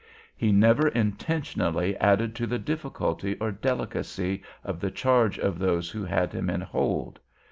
He never intentionally added to the difficulty or delicacy of the charge of those who had him in hold.